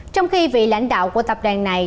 trong khi vị lãnh đạo của tập đoàn này